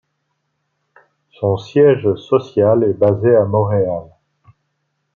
Son siège social est basé à Montréal.